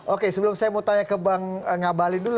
oke sebelum saya mau tanya ke bang ngabalin dulu